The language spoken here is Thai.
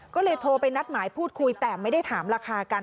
ก็เลยโทรไปนัดหมายพูดคุยแต่ไม่ได้ถามราคากัน